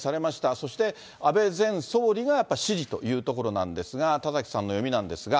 そして安倍前総理がやっぱ支持というところなんですが、田崎さんの読みなんですが。